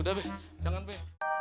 udah be jangan be